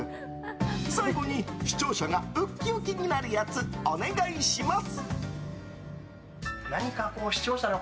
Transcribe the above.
最後に視聴者がウキウキになるやつお願いします。